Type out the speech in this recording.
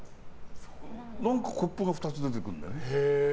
何かコップが２つ出てくるんだよね。